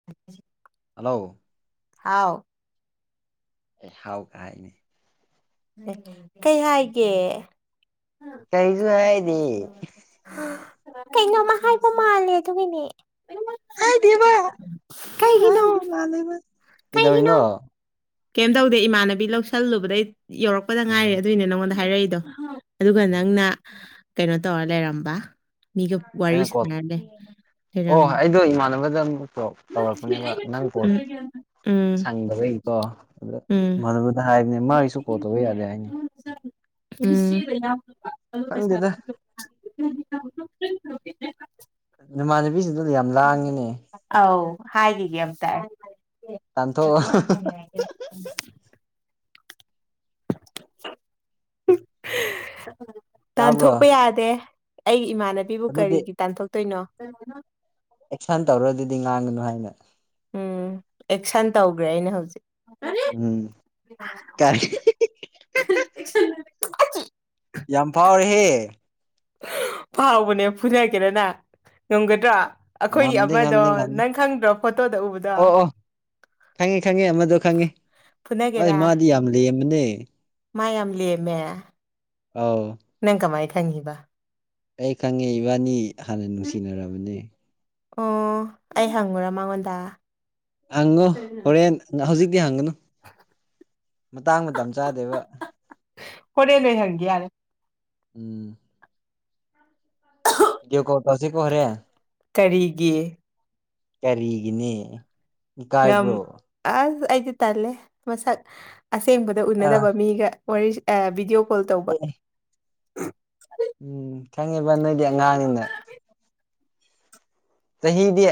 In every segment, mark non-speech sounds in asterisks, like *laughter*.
*inaudible* Hello ꯍꯥꯎ ꯑꯦ ꯍꯥꯎ ꯀ ꯍꯥꯏꯅꯦ ꯑꯦ ꯀꯩ ꯍꯥꯏꯒꯦ ꯀꯩꯁꯨ ꯍꯥꯏꯗꯤꯌꯦ ꯀꯩꯅꯣꯃ ꯍꯥꯏꯕ ꯃꯥꯜꯂꯦ ꯑꯗꯨꯒꯤꯅꯦ ꯍꯥꯏꯗꯦꯕ ꯅꯪꯅ ꯀꯩꯒꯤꯅꯣ ꯍꯥꯏꯗꯨ ꯃꯥꯜꯂꯦꯕ ꯀꯩꯒꯤꯅꯣ ꯀꯩꯗꯧꯔꯤꯅꯣ ꯀꯩꯝ ꯇꯧꯗꯦ ꯏꯃꯥꯟꯅꯕꯤ ꯂꯧꯁꯜ ꯂꯨꯕꯗꯩ ꯌꯧꯔꯛꯄꯗ ꯎꯝ ꯉꯥꯏꯔꯤ ꯑꯗꯨꯏꯅꯦ ꯅꯪꯉꯣꯟꯗ ꯍꯥꯏꯔꯛꯏꯗꯣ ꯑꯗꯨꯒ ꯎꯝ ꯅꯪꯅ ꯀꯩꯅꯣ ꯇꯧꯔ ꯂꯩꯔꯝꯕ ꯃꯤꯒ ꯋꯥꯔꯤ ꯑꯩꯅ ꯀꯣꯜ ꯁꯥꯟꯅꯂꯦ ꯑꯣ ꯑꯩꯗꯣ ꯏꯃꯥꯟꯅꯕꯗ ꯑꯃꯨꯛ ꯇꯧꯔꯛꯄꯅꯦꯕ ꯅꯪ ꯀꯣꯜ ꯎꯝ ꯁꯪꯗꯕꯩ ꯀꯣ ꯑꯗ ꯎꯝ ꯢꯃꯟꯗ ꯍꯥꯏꯕꯅꯦ ꯃꯥꯒꯤꯁꯨ ꯀꯣꯜ ꯇꯧꯕ ꯌꯥꯗꯦ ꯍꯥꯏꯅꯦ ꯎꯝ ꯈꯪꯗꯦꯗ ꯅꯨꯃꯥꯟꯅꯕꯤꯁꯤꯡꯗꯨ ꯌꯥꯝ ꯂꯥꯡꯉꯤꯅꯦ ꯑꯧ ꯍꯥꯏꯒꯤ ꯑꯝꯇ ꯇꯥꯟꯊꯣꯛ ꯑꯣ *unintelligible* ꯇꯥꯕ꯭ꯔꯣ ꯇꯥꯟꯊꯣꯛꯄ ꯌꯥꯗꯦ ꯑꯩꯒꯤ ꯏꯃꯥꯟꯅꯕꯤꯕꯨ ꯑꯗꯨꯗꯤ ꯀꯔꯤꯒꯤ ꯇꯥꯟꯊꯣꯛ ꯇꯣꯏꯅꯣ ꯑꯦꯛꯁꯟ ꯇꯧꯔꯣ ꯑꯗꯨꯗꯤ ꯉꯥꯡꯒꯅꯨ ꯍꯥꯏꯅ ꯎꯝ ꯑꯦꯛꯁꯟ ꯇꯧꯒꯔꯦ ꯑꯩꯅ ꯍꯧꯖꯤꯛ ꯎꯝ ꯀꯔꯤ ꯌꯥꯝ ꯐꯥꯎꯔꯦꯍꯦ ꯐꯥꯎꯕꯅꯦ ꯐꯨꯅꯒꯦꯔ ꯅꯪ ꯉꯝꯒꯗ꯭ꯔꯥ ꯑꯩꯈꯣꯏꯒꯤ ꯉꯝꯗꯦ ꯑꯃꯗꯣ ꯉꯝꯗꯦ ꯉꯝꯗꯦ ꯅꯪ ꯈꯪꯗ꯭ꯔꯣ ꯐꯣꯇꯣꯗ ꯎꯕꯗꯣ ꯑꯣ ꯑꯣ ꯈꯪꯉꯦ ꯈꯪꯉꯦ ꯑꯃꯗꯣ ꯈꯪꯉꯦ ꯑꯩ ꯃꯥꯗꯤ ꯌꯥꯝ ꯂꯦꯝꯕꯅꯦ ꯃ ꯌꯥꯝ ꯂꯦꯝꯃꯦ ꯑꯥꯎ ꯅꯪ ꯀꯃꯥꯥꯏ ꯈꯪꯉꯤꯕ ꯑꯩ ꯈꯪꯉꯦ ꯏꯕꯥꯅꯤ ꯍꯥꯟꯅ ꯅꯨꯡꯁꯤꯅꯔꯕꯅꯦ ꯑꯣ ꯑꯩ ꯍꯪꯉꯨꯔꯥ ꯃꯉꯣꯟꯗ ꯍꯪꯉꯣ ꯍꯣꯔꯦꯟ ꯍꯧꯖꯤꯛꯇꯤ ꯍꯪꯒꯅꯨ ꯃꯇꯥꯡ ꯃꯇꯝ ꯆꯥꯗꯦꯕ ꯍꯣꯔꯦꯟ ꯑꯣꯏ ꯍꯪꯒꯦ ꯌꯥꯔꯦ ꯎꯝ ꯕꯤꯗꯤꯌꯣ ꯀꯣꯜ ꯇꯧꯁꯤꯀꯣ ꯍꯣꯔꯦꯟ ꯀꯔꯤꯒꯤ ꯀꯔꯤꯒꯤꯅꯦ ꯉꯝ ꯏꯀꯥꯏꯕ꯭ꯔꯣ ꯑꯁ ꯑꯩꯗꯤ ꯇꯜꯂꯦ ꯃꯁꯛ ꯑꯁꯦꯡꯕꯗ ꯑꯥ ꯎꯅꯗꯕ ꯃꯤꯒꯥ ꯋꯥꯔꯤ ꯑꯥ ꯕꯤꯗꯤꯑꯣ ꯀꯣꯜ ꯇꯧꯕ ꯑꯦ ꯎꯝ ꯈꯪꯉꯦꯕ ꯅꯣꯏꯗꯤ ꯑꯉꯥꯡꯅꯤꯅ ꯆꯍꯤꯗꯤ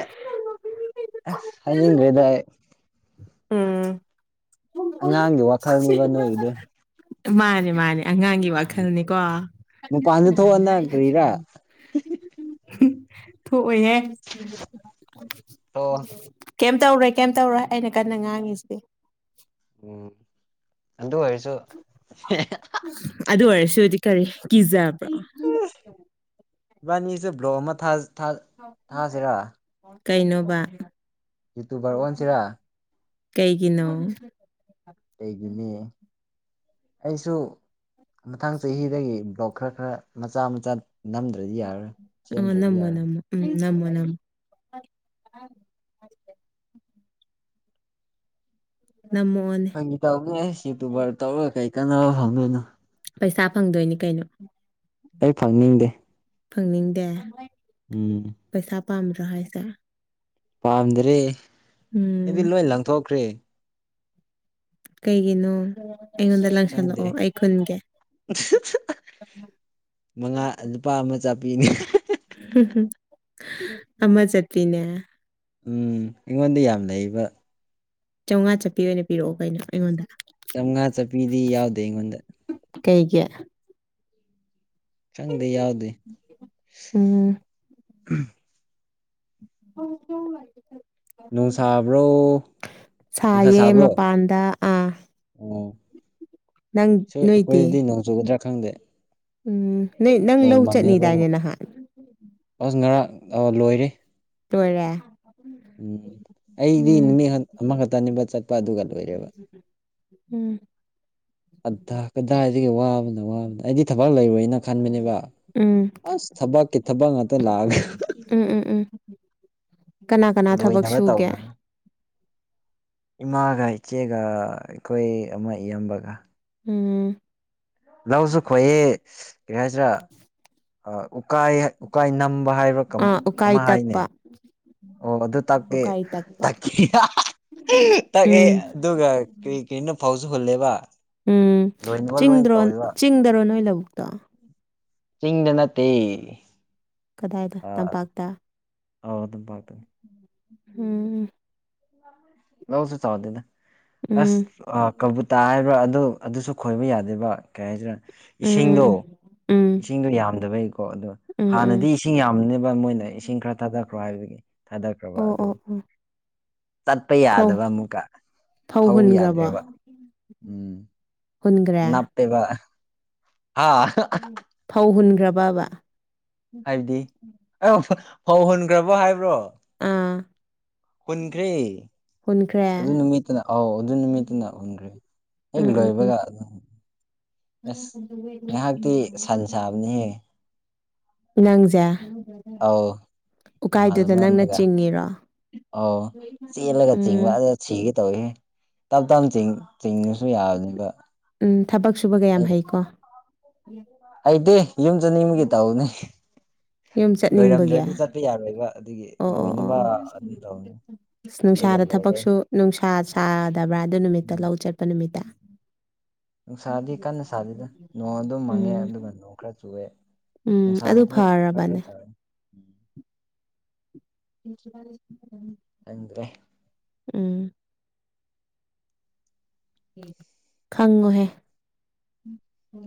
ꯑꯁ ꯍꯥꯏꯅꯤꯡꯗ꯭ꯔꯦꯗ ꯑꯩ ꯎꯝ ꯑꯉꯥꯡꯒꯤ ꯋꯥꯈꯜꯅꯦꯕ ꯅꯣꯏꯒꯤꯗꯣ *unintelligible* ꯃꯥꯅꯦ ꯃꯥꯅꯦ ꯑꯉꯥꯡꯒꯤ ꯋꯥꯈꯜꯅꯦꯀꯣ ꯃꯄꯥꯟꯗ ꯊꯣꯛꯑꯣ ꯅꯪ ꯀꯥꯔꯤꯔꯥ ꯊꯣꯛꯑꯣꯏꯍꯦ ꯊꯣꯛꯑꯣ *unintelligible* ꯀꯩꯝ ꯇꯧꯔꯣꯏ ꯀꯩꯝ ꯇꯧꯔꯣꯏ ꯑꯩꯅ ꯀꯟꯅ ꯉꯥꯡꯉꯤꯁꯤꯗꯤ ꯎꯝ ꯑꯗꯨ ꯑꯣꯏꯔꯁꯨ ꯑꯗꯨ ꯑꯣꯏꯔꯁꯨꯗꯤ ꯀꯔꯤ ꯀꯤꯖꯥꯕ꯭ꯔꯣ *unintelligible* ꯏꯕꯥꯅꯤꯁꯨ ꯕ꯭ꯂꯣ ꯑꯃ ꯊꯥꯁ ꯊꯥ ꯊꯥꯁꯤꯔꯥ ꯀꯩꯅꯣꯕ ꯌꯨꯇꯨꯕꯔ ꯑꯣꯟꯁꯤꯔꯥ ꯀꯩꯒꯤꯅꯣ ꯀꯩꯒꯤꯅꯦ ꯑꯩꯁꯨ ꯃꯊꯪ ꯆꯍꯤꯗꯒꯤ ꯕ꯭ꯂꯣꯛ ꯈꯔ ꯈꯔ ꯃꯆꯥ ꯃꯆꯥ ꯅꯝ ꯅꯝꯃꯣ ꯅꯝꯃꯣ ꯅꯝꯃꯣ ꯎꯝ ꯅꯝꯃꯣ ꯅꯝꯃꯣ ꯅꯝꯃꯥ ꯑꯣꯟ ꯐꯥꯒꯤ ꯇꯧꯕꯅꯦꯍꯦ ꯌꯨꯇꯨꯕꯔ ꯇꯧꯔꯒ ꯀꯩ ꯀꯥꯟꯅꯕ ꯐꯪꯗꯣꯏꯅꯣ ꯄꯩꯁꯥ ꯐꯪꯗꯣꯏꯅꯤ ꯀꯩꯅꯣ ꯑꯩ ꯐꯪꯅꯤꯡꯗꯦ ꯐꯪꯅꯤꯡꯗꯦ ꯎꯝ ꯄꯩꯁꯥ ꯄꯥꯝꯗ꯭ꯔꯣ ꯍꯥꯏꯁꯦ ꯄꯥꯝꯗ꯭ꯔꯦ ꯎꯝ ꯑꯩꯗꯤ ꯂꯣꯏ ꯂꯪꯊꯣꯛꯈ꯭ꯔꯦ ꯀꯩꯒꯤꯅꯣ ꯑꯩꯉꯣꯟꯗ ꯈꯪꯗꯦ ꯂꯪꯁꯜꯂꯛꯑꯣ ꯑꯩ ꯈꯨꯟꯒꯦ ꯃꯉꯥ ꯑꯥ ꯂꯨꯄꯥ ꯑꯃꯥ ꯆꯞꯄꯤꯅꯦ ꯑꯃ ꯆꯠꯄꯤꯅꯦ ꯎꯝ ꯑꯩꯉꯣꯟꯗ ꯌꯥꯝ ꯂꯩꯕ ꯆꯧꯉꯥ ꯆꯞꯄꯤ ꯑꯣꯏꯅ ꯄꯤꯔꯛꯑꯣ ꯀꯩꯅꯣ ꯑꯩꯉꯣꯟꯗ ꯆꯧꯉꯥ ꯆꯥꯄꯤꯗꯤ ꯌꯥꯎꯗꯦ ꯑꯩꯉꯣꯟꯗ ꯀꯩꯒꯤ ꯈꯪꯗꯦ ꯌꯥꯎꯗꯦ ꯎꯝ ꯎꯝ ꯅꯣꯡ ꯁꯥꯕ꯭ꯔꯣ *unintelligible* ꯅꯨꯡꯁꯥ ꯁꯥꯏꯌꯦ ꯁꯥꯕ꯭ꯔꯣ ꯃꯄꯥꯟꯗ ꯑꯥ ꯑꯣ ꯅꯪ ꯁꯦ ꯅꯣꯏꯗꯤ ꯑꯩꯈꯣꯏꯗꯗꯤ ꯅꯣꯡ ꯆꯨꯒꯗ꯭ꯔꯥ ꯈꯪꯗꯦ ꯎꯝ ꯅꯣꯏ ꯅꯪ ꯅꯣꯡ ꯂꯧ ꯃꯪꯉꯦꯕ ꯆꯠꯅꯤꯗꯥꯏꯅꯦ ꯑꯃꯨꯛ ꯅꯍꯥꯟ ꯑꯁ ꯉꯔꯥꯡ ꯑꯣ ꯂꯣꯏꯔꯦ ꯂꯣꯏꯔꯦ ꯎꯝ ꯑꯩꯗꯤ ꯎꯝ ꯅꯨꯃꯤꯠ ꯍꯟ ꯑꯃꯥꯈꯛꯇꯅꯦꯕ ꯆꯠꯄ ꯑꯗꯨꯒ ꯂꯣꯏꯔꯦꯕ ꯎꯝ ꯑꯗꯥ ꯀꯗꯥꯏꯗꯒꯤ ꯋꯥꯕꯅ ꯋꯥꯕꯅ ꯑꯩꯗꯤ ꯊꯕꯛ ꯂꯩꯔꯣꯏꯅ ꯈꯟꯕꯅꯦꯕ ꯎꯝ ꯑꯁ ꯊꯕꯛꯀꯤ ꯊꯕꯛ ꯉꯥꯛꯇ ꯂꯥꯛꯑꯒ ꯎꯝ ꯎꯝ ꯎꯝ ꯀꯅꯥ ꯀꯅꯥ ꯊꯕꯛ ꯂꯣꯏꯅꯕ ꯁꯨꯒꯦ ꯇꯧꯈ꯭ꯔꯅꯤ ꯏꯃꯥꯒ ꯏꯆꯦꯒ ꯑꯩꯈꯣꯏ ꯑꯃꯥ ꯏꯌꯥꯝꯕꯒ ꯎꯝ ꯂꯧꯖꯨ ꯈꯣꯏꯌꯦ ꯀꯔꯤ ꯍꯥꯏꯁꯤꯔꯥ ꯑꯥ ꯎꯀꯥꯏ ꯎꯀꯥꯏ ꯅꯝꯕ ꯍꯥꯏꯕ꯭ꯔ ꯀꯥꯃ ꯑꯥ ꯎꯀꯥꯏ ꯑꯃꯥꯏ ꯍꯥꯏꯅꯦ ꯇꯛꯄ ꯑꯣ ꯑꯗꯨ ꯇꯥꯛꯀꯦ ꯎꯀꯥꯏ ꯇꯛꯄ ꯇꯥꯛꯀꯦ ꯇꯥꯛꯑꯦ ꯎꯝ ꯑꯗꯨꯒ ꯀꯔꯤ ꯀꯩꯅ ꯐꯧꯁꯨ ꯍꯨꯜꯂꯦꯕ ꯎꯝ ꯂꯣꯏꯅꯕ ꯂꯣꯏ ꯆꯤꯡꯗ꯭ꯔꯣꯟ ꯇꯧꯋꯦꯕ ꯆꯤꯡꯗꯥꯔꯣ ꯅꯣꯏ ꯂꯧꯕꯨꯛꯇꯣ ꯆꯤꯡꯗ ꯅꯠꯇꯦ ꯀꯗꯥꯏꯗ ꯑ ꯇꯝꯄꯥꯛꯇ ꯑꯧ ꯇꯝꯄꯥꯛꯇ ꯍꯨꯝꯎꯝ ꯂꯧꯁꯨ ꯆꯥꯎꯗꯦꯗ ꯎꯝ ꯑꯁ ꯑꯥ ꯀꯧꯕꯨꯨꯇꯥ ꯍꯥꯏꯕ꯭ꯔꯥ ꯑꯗꯨ ꯑꯗꯨꯁꯨ ꯈꯣꯏꯕ ꯌꯥꯗꯦꯕ ꯀꯩ ꯍꯥꯏꯁꯤꯔꯥ ꯎꯝ ꯎꯝ ꯏꯁꯤꯡꯗꯣ ꯎꯝ ꯎꯝ ꯏꯁꯤꯡꯗꯣ ꯌꯥꯝꯗꯕꯩꯀꯣ ꯑꯗꯣ ꯎꯝ ꯍꯥꯟꯅꯗꯤ ꯎꯝ ꯏꯁꯤꯡ ꯌꯥꯝꯕꯅꯦꯕ ꯃꯣꯏꯅ ꯏꯁꯤꯡ ꯈꯔ ꯊꯥꯗꯛ ꯔꯣ ꯍꯥꯏꯕꯒꯤ ꯊꯥꯗꯠꯈ꯭ꯔꯕ ꯑꯣ ꯑꯗꯨ ꯑꯣ ꯑꯣ ꯄꯥ ꯐꯧ ꯌꯥꯗꯕ ꯑꯃꯨꯛꯀ ꯐꯧ ꯊꯧꯕ ꯌꯥꯗ꯭ꯔꯦꯕ *inaudible* ꯎꯝ ꯍꯨꯟꯒ꯭ꯔꯦ ꯄꯦꯕ ꯍꯥꯥ ꯐꯧ ꯍꯨꯟꯒ꯭ꯔꯕꯕꯥ ꯍꯥꯏꯕꯗꯤ ꯑꯥꯎ ꯐꯧ ꯍꯨꯟꯒ꯭ꯔꯕꯣ ꯍꯥꯏꯕ꯭ꯔꯣ ꯑꯥ ꯍꯨꯟꯈ꯭ꯔꯦ ꯑꯗꯨ ꯍꯨꯟꯈ꯭ꯔꯦ ꯅꯨꯃꯤꯠꯇꯅ ꯑꯧ ꯑꯗꯨ ꯅꯨꯃꯤꯠꯇꯨꯅ ꯍꯨꯟꯈ꯭ꯔꯦ ꯍꯦꯛ ꯎꯝ ꯎꯝ ꯎꯝ ꯂꯣꯏꯕꯒ ꯑꯗꯨꯝ ꯑꯁ ꯉꯥꯏꯍꯥꯛꯇꯤ ꯁꯟ ꯁꯥꯕꯅꯤ ꯍꯦ ꯅꯪꯖꯦ ꯑꯥꯎ ꯏꯃꯥ ꯅꯪꯅ ꯑꯃꯒ ꯆꯤꯡꯉꯤꯔꯣ ꯑꯧ ꯆꯦꯜꯂꯒ ꯆꯤꯡꯕ ꯎꯝ ꯑꯗꯨ ꯁꯤꯒꯦ ꯇꯧꯋꯤꯍꯦ ꯇꯞ ꯇꯞ ꯆꯤꯡ ꯆꯤꯡꯉꯁꯨ ꯌꯥꯕꯅꯦꯕ ꯎꯝ ꯊꯕꯛ ꯁꯨꯕꯒꯌꯥꯝ ꯍꯩꯀꯣ ꯍꯩꯗꯦ ꯏꯌꯨꯝ ꯖꯅꯤꯡꯕꯒꯤ ꯇꯥꯎꯅꯦ ꯌꯨꯝ ꯆꯠꯅꯤꯡꯕꯒꯤ ꯂꯣꯏꯔꯝꯗ꯭ꯔꯗꯤ ꯑꯣ ꯆꯠꯄ ꯌꯥꯔꯣꯏꯕ ꯑꯗꯨꯒꯤ ꯑꯣ ꯑꯣ ꯂꯣꯏꯅꯕ ꯑꯣ ꯑꯗꯨꯝ ꯇꯧꯅꯤ ꯑꯁ ꯑꯗꯨꯒ ꯅꯨꯡꯁꯥꯗ ꯂꯣꯏꯔꯦ ꯊꯕꯛꯁꯨ ꯅꯨꯡꯁꯥ ꯁꯥꯗꯕ꯭ꯔꯥ ꯑꯗꯨ ꯅꯨꯃꯤꯠꯇ ꯎꯝ ꯂꯧ ꯆꯠꯄ ꯅꯨꯃꯤꯠꯇ ꯅꯨꯡꯁꯥꯗꯤ ꯀꯟꯅ ꯁꯥꯗꯦꯗꯅ ꯅꯣꯡ ꯑꯗꯨꯝ ꯃꯪꯉꯦ ꯎꯝ ꯑꯗꯨꯒ ꯅꯣꯡ ꯈꯔ ꯆꯨꯋꯦ ꯎꯝ ꯑꯗꯨ ꯐꯔꯕꯅꯦ ꯎꯝ *unintelligible* ꯈꯪꯗ꯭ꯔꯦ ꯎꯝ ꯈꯪꯉꯣꯍꯦ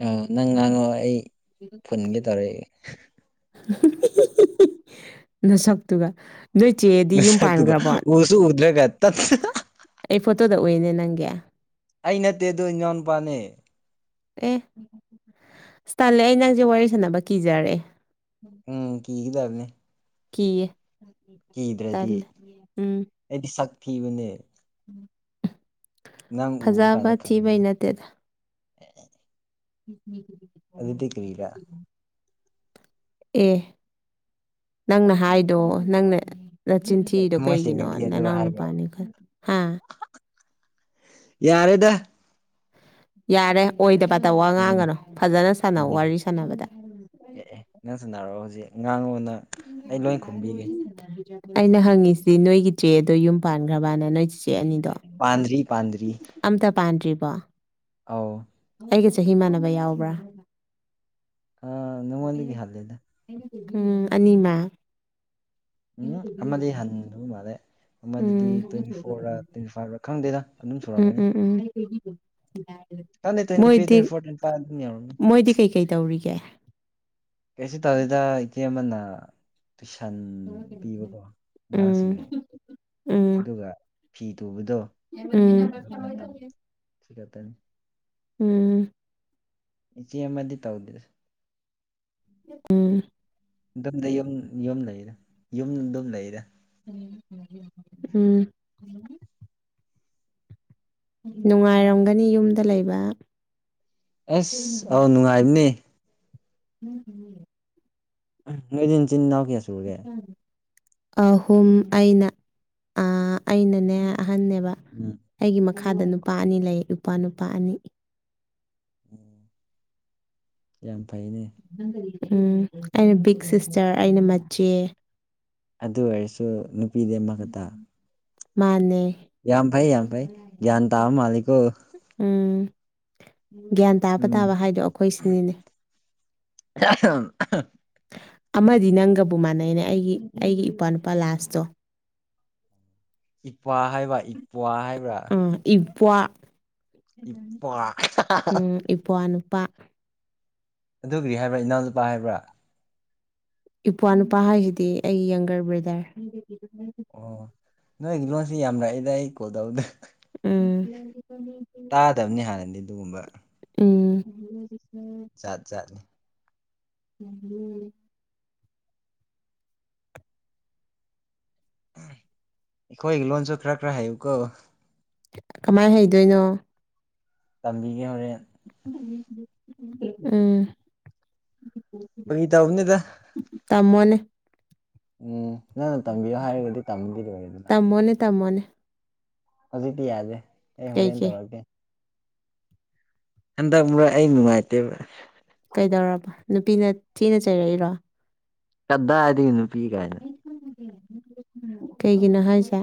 ꯑ ꯅꯪ ꯉꯥꯡꯉꯣ ꯑꯩ ꯐꯨꯟꯒꯦ ꯇꯧꯔꯛꯑꯦ *unintelligible* *unintelligible* ꯅꯁꯛꯇꯨꯒ ꯅꯣꯏ ꯆꯦꯗꯤ ꯌꯨꯝ ꯅꯁꯛꯇꯨꯒ ꯄꯥꯟꯈ꯭ꯔꯕꯣ ꯎꯁꯨ ꯎꯗ꯭ꯔꯒ ꯇꯠ ꯑꯩ ꯐꯣꯇꯣꯗ ꯎꯌꯦꯅꯦ ꯅꯪꯒꯤ ꯑꯩ ꯅꯠꯇꯦꯗꯣ ꯢꯅꯥꯎ ꯅꯨꯄꯥꯅꯦ ꯎꯝ ꯑꯁ ꯇꯜꯂꯦ ꯑꯩ ꯅꯪꯁꯦ ꯋꯥꯔꯤ ꯁꯥꯟꯅꯕ ꯀꯤꯖꯔꯦ ꯎꯝ ꯀꯤꯒꯗꯕꯅꯦ ꯀꯤꯌꯦ ꯀꯤꯗ꯭ꯔꯗꯤ ꯇꯜꯂꯦ ꯎꯝ ꯑꯩꯗꯤ ꯁꯛ ꯊꯤꯕꯅꯦ ꯅꯪ ꯎꯕ ꯐꯖꯕ ꯀꯥꯟꯗ ꯊꯤꯕꯩ ꯈꯪꯒꯅꯤ ꯅꯠꯇꯦꯗ *unintelligible* ꯑꯗꯨꯗꯤ ꯀꯔꯤꯔ ꯑꯦ ꯅꯪꯅ ꯍꯥꯏꯗꯣ ꯅꯪꯅ ꯑꯦ ꯅꯆꯤꯟꯊꯤꯔꯤꯗꯣ ꯊꯃꯣꯏ ꯀꯩꯒꯤꯅꯣ ꯁꯦꯡꯉꯗꯤ ꯑꯗꯨꯔ ꯅꯅꯥꯎ ꯍꯥꯏꯕ꯭ꯔꯣ ꯅꯨꯄꯥꯅꯤ ꯈꯪ ꯍꯥ ꯌꯥꯔꯦꯗ ꯌꯥꯔꯦ ꯑꯣꯏꯗꯕꯇ ꯋꯥ ꯎꯝ ꯉꯥꯡꯒꯅꯣ ꯐꯖꯅ ꯁꯥꯟꯅꯧ ꯎꯝ ꯋꯥꯔꯤ ꯁꯥꯟꯅꯕꯗ ꯑꯦ ꯑꯦ ꯅꯪ ꯁꯥꯟꯅꯔꯛꯑꯣ ꯍꯧꯖꯤꯛ ꯉꯥꯡꯑꯣ ꯅ *unintelligible* ꯑꯩꯅ ꯍꯪꯉꯤꯁꯤ ꯅꯣꯏꯒꯤ ꯆꯦꯗꯣ ꯌꯨꯝ ꯄꯥꯟꯈ꯭ꯔꯕꯅ ꯅꯣꯏ ꯆꯤꯆꯦ ꯑꯅꯤꯗꯣ ꯄꯥꯟꯗ꯭ꯔꯤ ꯄꯥꯟꯗ꯭ꯔꯤ ꯑꯝꯇ ꯄꯥꯟꯗ꯭ꯔꯤꯕꯣ ꯑꯥꯎ ꯑꯩꯒ ꯆꯍꯤ ꯃꯥꯟꯅꯕ ꯌꯥꯎꯕ꯭ꯔꯥ ꯑ ꯅꯉꯣꯟꯗꯒꯤ ꯍꯟꯂꯤꯗ ꯎꯝ ꯑꯅꯤꯃꯛ ꯎꯝ ꯑꯃꯗꯤ ꯍꯟꯗꯕ ꯃꯥꯟꯂꯦ ꯑꯃ ꯗꯨꯗꯤ ꯎꯝ ꯇ꯭ꯋꯦꯟꯇꯤ ꯐꯣꯔꯥ ꯇ꯭ꯋꯦꯟꯇꯤ ꯐꯥꯏꯕꯔꯥ ꯈꯪꯗꯦꯗ ꯑꯗꯨꯝ ꯎꯝ ꯁꯨꯔꯝꯒꯅꯤ *unintelligible* ꯈꯪꯗꯦ ꯇ꯭ꯋꯦꯟꯇꯤ ꯊ꯭ꯔꯤ ꯇ꯭ꯋꯦꯟꯇꯤ ꯃꯣꯏꯗꯤ ꯐꯣꯔ ꯇ꯭ꯋꯦꯟꯇꯤ ꯐꯥꯢꯞ ꯌꯧꯔꯝꯒꯅꯤ ꯃꯣꯏꯗꯤ ꯀꯩꯀꯩ ꯇꯧꯔꯤꯒꯦ ꯀꯩꯁꯨ ꯇꯧꯗꯦꯗ ꯏꯆꯦ ꯑꯃꯅ ꯇꯨꯏꯁꯟ ꯄꯤꯕꯀꯣ ꯎꯝ ꯉꯍꯥꯁꯤꯡꯒꯤ ꯎꯝ ꯑꯗꯨꯒ ꯐꯤ ꯇꯨꯕꯗꯣ ꯎꯝ ꯑꯗꯨ ꯈꯔ ꯇꯝ ꯁꯤ ꯈꯇꯅꯤ ꯎꯝ ꯏꯆꯦ ꯑꯃꯗꯤ ꯇꯧꯗꯦꯁ ꯎꯝ ꯗꯨꯝꯗ ꯌꯨꯝ ꯌꯨꯝ ꯂꯩꯗ ꯌꯨꯝ ꯗꯨꯝ ꯂꯩꯗ ꯎꯝ ꯅꯨꯡꯉꯥꯏꯔꯝꯒꯅꯤ ꯌꯨꯝꯗ ꯂꯩꯕ ꯑꯁ ꯑꯧ ꯅꯨꯡꯉꯥꯏꯕꯅꯦ *inaudible* ꯅꯣꯏꯗꯤ ꯆꯤꯟ ꯅꯥꯎ ꯀꯌꯥ ꯁꯨꯏ *inaudible* ꯑꯍꯨꯝ ꯑꯩꯅ ꯑ ꯑꯩꯅꯅꯦ ꯑꯍꯟꯅꯦꯕ ꯎꯝ ꯑꯩꯒꯤ ꯃꯈꯥꯗ ꯅꯨꯄꯥ ꯑꯅꯤ ꯂꯩ ꯏꯄ꯭ꯋꯥꯅꯨꯄꯥ ꯑꯅꯤ ꯎꯝ ꯌꯥꯝ ꯐꯩꯅꯦ ꯎꯝ ꯑꯩꯅ ꯕꯤꯛ ꯁꯤꯁꯇꯔ ꯑꯩꯅ ꯃꯆꯦ ꯑꯗꯨ ꯑꯣꯏꯔꯁꯨ ꯅꯨꯄꯤꯗꯤ ꯑꯃꯈꯛꯇ ꯃꯥꯟꯅꯦ ꯌꯥꯝ ꯐꯩ ꯌꯥꯝ ꯐꯩ ꯒ꯭ꯌꯥꯟ ꯇꯥꯕ ꯃꯥꯜꯂꯤꯀꯣ ꯎꯝ ꯒ꯭ꯌꯥꯟ ꯇꯥꯕ ꯎꯝ ꯇꯥꯕ ꯍꯥꯏꯗꯣ ꯑꯩꯈꯣꯏ ꯁꯤꯅꯤꯅꯦ ꯑꯍꯝ ꯑꯍꯥ ꯑꯃꯗꯤ ꯅꯪꯒꯕꯨ ꯃꯥꯟꯅꯩꯅꯦ ꯑꯩꯒꯤ ꯑꯩꯒꯤ ꯏꯄꯥ ꯅꯨꯄꯥ ꯂꯥꯁꯇꯣ ꯏꯄ꯭ꯋꯥ ꯍꯥꯏꯕ ꯏꯄ꯭ꯋꯥ ꯍꯥꯏꯕ꯭ꯔꯥ ꯎ ꯏꯄ꯭ꯋꯥ ꯏꯄ꯭ꯋꯥ ꯎꯝ ꯏꯄ꯭ꯋꯥ ꯅꯨꯄꯥ ꯑꯗꯨ ꯒ꯭ꯔꯤ ꯍꯥꯏꯕ꯭ꯔꯥ ꯏꯅꯥꯎꯅꯨꯄꯥ ꯍꯥꯏꯕ꯭ꯔꯥ ꯏꯄ꯭ꯋꯥ ꯅꯨꯄꯥ ꯍꯥꯏꯁꯤꯗꯤ ꯑꯩꯒꯤ ꯌꯪꯒꯔ ꯕ꯭ꯔꯥꯗꯔ ꯑꯣ ꯅꯣꯏꯒꯤ ꯂꯣꯟꯁꯤ ꯌꯥꯝ ꯂꯩꯗ ꯑꯩ ꯀꯣꯜ ꯇꯧꯕꯗ ꯎꯝ ꯇꯥꯗꯕꯅꯦ ꯍꯥꯟꯅꯗꯤ ꯑꯗꯨꯒꯨꯝꯕ ꯎꯝ ꯖꯥꯠ ꯖꯥꯠꯅꯦ ꯎꯝ ꯑꯩꯈꯣꯢꯒꯤ ꯂꯣꯟꯁꯨ ꯈ꯭ꯔ ꯈ꯭ꯔ ꯍꯩꯌꯨꯀꯣ ꯀꯃꯥꯏ ꯍꯩꯗꯣꯏꯅꯣ ꯇꯝꯕꯤꯒꯦ ꯍꯣꯔꯦꯟ ꯎꯝ ꯐꯥꯒꯤ ꯇꯧꯕꯅꯤꯗ ꯇꯥꯝꯃꯣꯅꯦ ꯎꯝ ꯅꯪ ꯅ ꯇꯝꯕꯤꯌꯣ ꯍꯥꯏꯔꯒꯗꯤ ꯇꯝꯕꯤꯔ ꯂꯣꯢꯔꯦꯗꯅ ꯇꯃꯣꯅꯦ ꯇꯃꯣꯅꯦ ꯍꯧꯖꯤꯛꯇꯤ ꯌꯥꯗꯦ ꯑꯩ ꯍꯣꯔꯦꯟ ꯀꯩꯒꯤ ꯇꯧꯔꯛꯀꯦ ꯍꯟꯗꯛ ꯃꯔꯛ ꯑꯩ ꯅꯨꯡꯉꯥꯏꯇꯦꯕ ꯀꯩꯗꯧꯔꯕ ꯅꯨꯄꯤꯅ ꯊꯤꯅ ꯆꯩꯔꯛꯏꯔꯣ ꯀꯗꯥꯏꯗꯒꯤ ꯅꯨꯄꯤ ꯀꯥꯏ ꯀꯩꯒꯤꯅꯣ ꯍꯥꯏꯁꯦ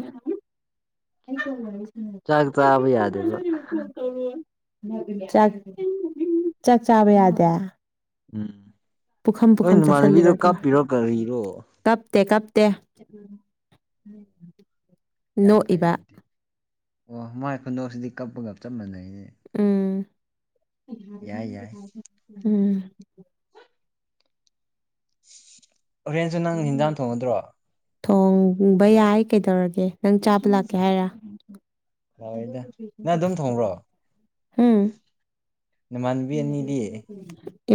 ꯆꯥꯛ ꯆꯥꯕ ꯌꯥꯗꯦꯕ ꯆꯥꯛ ꯆꯥꯛꯆꯥꯕ ꯌꯥꯗꯦ ꯎꯝ ꯄꯨꯈꯝ ꯅꯣꯏ ꯄꯨꯈꯝ ꯅꯃꯥꯟꯅꯕꯤꯗꯣ ꯆꯥꯁꯤꯜꯂꯤꯔꯣ ꯑꯗꯨꯒ ꯀꯥꯞꯄꯤꯔꯣ ꯀꯔꯤꯔꯣ ꯀꯞꯇꯦ ꯀꯞꯇꯦ ꯌꯥꯝ ꯐꯩ ꯅꯣꯛꯏꯕ ꯑꯗꯨꯗꯤ ꯑꯣ ꯃꯥꯏ ꯈꯨꯨꯟꯗꯣꯛꯁꯤꯗꯤ ꯀꯞꯄꯒ ꯆꯞ ꯃꯥꯟꯅꯩꯌꯦ ꯎꯝ ꯌꯥꯏ ꯌꯥꯏ ꯎꯝ ꯍꯣꯔꯦꯟꯁꯨ ꯅꯪꯅ ꯍꯤꯟꯖꯥꯡ ꯊꯣꯡꯒꯗ꯭ꯔꯣ ꯊꯣꯡꯕ ꯌꯥꯏ ꯀꯩꯗꯧꯔꯒꯦ ꯅꯪ ꯆꯥ ꯂꯥꯛꯀꯦ ꯑꯁ ꯍꯥꯏꯔ ꯂꯥꯎꯋꯦꯗ ꯅꯪ ꯑꯗꯨꯝ ꯊꯣꯡꯕ꯭ꯔꯣ ꯍꯨꯝ ꯅꯃꯥꯟꯅꯕꯤ ꯅꯤꯗꯤ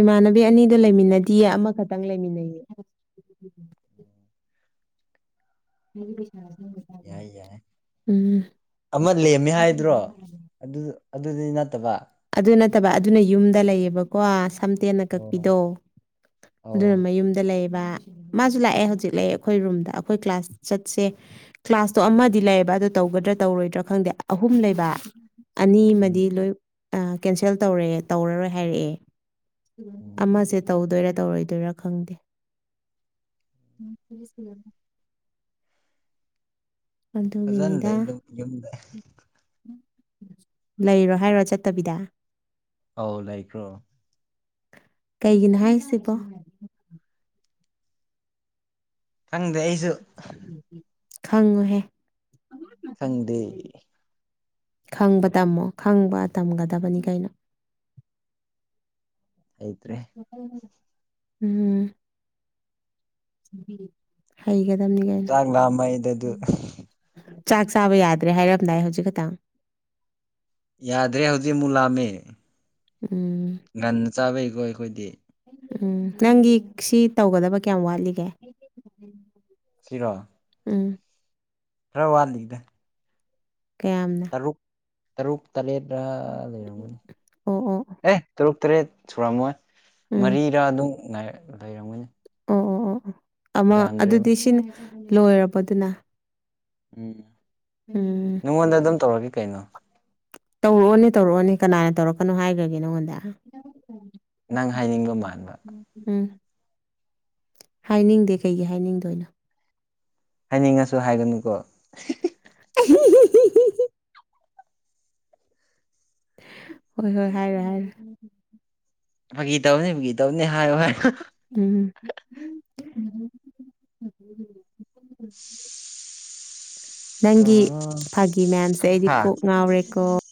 ꯏꯃꯥꯟꯅꯕꯤ ꯑꯅꯤꯗꯣ ꯂꯩꯃꯤꯟꯅꯗꯤꯌꯦ ꯑꯃꯈꯛꯇꯪ ꯂꯩꯃꯤꯟꯅꯩꯌꯦ *unintelligible* *unintelligible* ꯌꯥꯏ ꯌꯥꯏ ꯎꯝ ꯑꯃ ꯂꯦꯝꯃꯦ ꯍꯥꯏꯗ꯭ꯔꯣ ꯑꯗꯨ ꯑꯗꯨꯗꯤ ꯅꯠꯇꯕ ꯑꯗꯨ ꯅꯠꯇꯕ ꯑꯗꯨꯅ ꯌꯨꯝꯗ ꯂꯩꯌꯦꯕꯀꯣ ꯁꯝ ꯇꯦꯟꯅ ꯑꯣ ꯀꯛꯄꯤꯗꯣ ꯑꯗꯨꯅ ꯑꯧ ꯃꯌꯨꯝꯗ ꯂꯩꯕ ꯃꯥꯁꯨ ꯂꯥꯛꯑꯦ ꯍꯧꯖꯤꯛ ꯂꯩꯑꯦ ꯑꯩꯈꯣꯏ ꯔꯨꯝꯗ ꯑꯩꯈꯣꯏ ꯀ꯭ꯂꯥꯁ ꯆꯠꯁꯦ ꯀ꯭ꯂꯥꯁꯇꯣ ꯑꯃꯗꯤ ꯂꯩꯌꯦꯕ ꯑꯗꯣ ꯇꯧꯒꯗ꯭ꯔꯥ ꯇꯧꯔꯣꯏꯗ꯭ꯔꯥ ꯈꯪꯗꯦ ꯑꯍꯨꯝ ꯂꯩꯕ ꯎꯝ ꯑꯅꯤꯃꯥꯗꯤ ꯂꯣꯏ ꯑ ꯀꯦꯟꯁꯦꯜ ꯇꯧꯔꯦ ꯇꯧꯔꯔꯣꯏ ꯍꯥꯏꯔꯛꯑꯦ ꯎꯝ ꯑꯃꯁꯦ ꯇꯧꯗꯣꯏꯔꯥ ꯇꯧꯔꯣꯏꯗꯣꯏꯔꯥ ꯈꯪꯗꯦ꯫ ꯅꯪ ꯄꯣꯂꯤꯁ ꯏꯔꯝꯃꫭ ꯐꯖꯅ ꯑꯗꯨꯒꯤꯅꯤꯗ ꯂꯩ ꯌꯨꯝꯗ ꯂꯩꯔꯣ ꯍꯥꯏꯔꯣ ꯆꯠꯇꯕꯤꯗ ꯑꯧ ꯂꯩꯈ꯭ꯔꯣ ꯀꯩꯒꯤꯅꯣ ꯍꯥꯏꯁꯤꯕꯣ ꯈꯪꯗꯦ ꯑꯩꯁꯨ ꯈꯪꯉꯨꯍꯦ ꯈꯪꯗꯦ ꯈꯪꯕ ꯇꯝꯃꯣ ꯈꯪꯕ ꯇꯝꯒꯗꯕꯅꯤ ꯀꯩꯅꯣ ꯍꯩꯇ꯭ꯔꯦ ꯃꯤꯁ ꯃꯆꯥ ꯑꫭꯏꯅ ꯎꯝ ꯅꯨꯄꯤ ꯍꯩꯒꯗꯕꯅꯤ ꯀꯩꯅꯣ ꯆꯥꯛ ꯑꯩ ꯂꯥꯝꯃꯩꯗ ꯑꯗꯨ ꯑꯩ ꯆꯥꯛ ꯆꯥꯕ ꯌꯥꯗ꯭ꯔꯦ ꯍꯥꯏꯔꯝꯗꯥꯏ ꯍꯧꯖꯤꯛ ꯈꯛꯇꯪ ꯌꯥꯗ꯭ꯔꯦ ꯍꯧꯖꯤꯛ ꯑꯃꯨꯛ ꯂꯥꯝꯃꯦ ꯎꯝ꯫ ꯉꯥꯟꯅ ꯆꯥꯕꯩꯀꯣ ꯑꯩꯈꯣꯏꯗꯤ ꯎꯝ ꯅꯪꯒꯤ ꯁꯤ ꯇꯧꯒꯗꯕ ꯀꯌꯥꯝ ꯋꯥꯠꯂꯤꯒꯦ ꯁꯤꯔꯣ ꯎꯝ꯫ ꯈꯔ ꯋꯥꯠꯂꯤꯗ ꯀꯌꯥꯝꯅ ꯔꯨꯛ ꯇꯔꯨꯛ ꯇꯔꯦꯠꯔ ꯂꯩꯔꯝꯒꯅꯤ ꯑꯣ ꯑꯣ ꯑꯣ ꯑꯦ ꯇꯔꯨꯛ ꯇꯔꯦꯠ ꯁꯨꯔꯝꯃꯣꯏ ꯎꯝ ꯃꯔꯤꯔꯥ ꯑꯗꯨꯝ ꯉꯩ ꯂꯩꯔꯝꯒꯅꯤ ꯑꯣ ꯑꯣ ꯑꯣ ꯑꯣ ꯑꯃ ꯌꯥꯝꯗ꯭ꯔꯦꯕ ꯑꯗꯨꯗꯤ ꯁꯤꯅ ꯂꯣꯏꯔꯕꯣ ꯑꯗꯨꯅ ꯎꯝ꯫ ꯎꯝ꯫ ꯅꯉꯣꯟꯗ ꯑꯗꯨꯝ ꯇꯧꯔꯒꯦ ꯀꯩꯅꯣ ꯇꯧꯔꯛꯑꯣꯅꯦ ꯇꯧꯔꯛꯑꯣꯅꯦ ꯀꯅꯥꯅ ꯇꯧꯔꯛꯀꯅꯣ ꯍꯥꯏꯈ꯭ꯔꯥꯒꯦ ꯅꯪꯉꯣꯟꯗ ꯅꯪ ꯍꯥꯏꯅꯤꯡꯕ ꯃꯥꯟꯕ ꯎꯝ꯫ ꯍꯥꯏꯅꯤꯡꯗꯦ ꯀꯩꯒꯤ ꯍꯥꯏꯅꯤꯡꯗꯣꯏꯅꯣ ꯍꯥꯏꯅꯤꯡꯉꯥꯁꯨ ꯍꯥꯏꯒꯅꯨꯀꯣ *inaudible* ꯍꯣꯏ ꯍꯣꯏ ꯍꯥꯏꯔꯣꯏ ꯍꯥꯏꯔꯣꯢ ꯐꯥꯒꯤ ꯇꯧꯕꯅꯤ ꯐꯥꯒꯤ ꯇꯧꯕꯅꯤ ꯍꯥꯏꯌꯨ ꯍꯥꯏꯌꯣ ꯎꯝ꯫ *inaudible* ꯅꯪꯒꯤ ꯐꯥꯒꯤ ꯃꯌꯥꯝꯁꯦ ꯑꯩꯗꯤ ꯍꯥ ꯀꯣꯛ ꯉꯥꯎꯔꯦꯀꯣ